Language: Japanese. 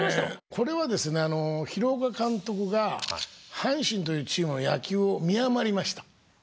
これはですね広岡監督が阪神というチームの野球を見誤りました。